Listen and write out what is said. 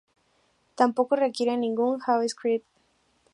Tampoco requieren ningún JavaScript.